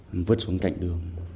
em vứt xuống cạnh đường